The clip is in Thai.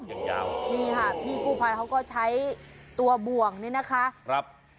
ยังยาวโอ้โหนี่ค่ะพี่กู้ภัยเขาก็ใช้ตัวบ่วงนี่นะคะ